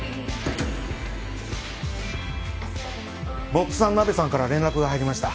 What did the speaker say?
モツさんナベさんから連絡が入りました。